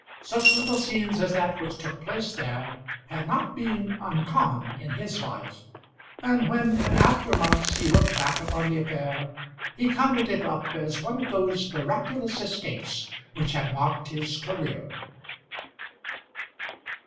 Such little scenes as that which took place there had not been uncommon in his life; and when in after months he looked back upon the affair, he counted it up as one of those miraculous escapes which had marked his career.